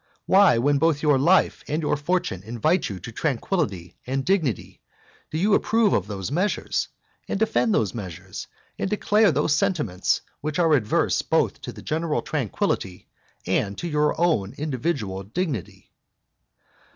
why, when both your life and your fortune invite you to tranquillity and dignity, do you approve of those measures, and defend those measures, and declare those sentiments, which are adverse both to the general tranquillity and to your own individual dignity?